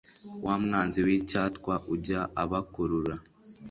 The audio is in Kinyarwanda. wa mwanzi w'icyatwa ujya abakurura